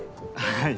はい。